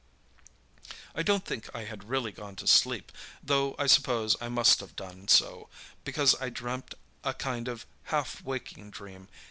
"I didn't think I had really gone to sleep, though I suppose I must have done so, because I dreamed a kind of half waking dream.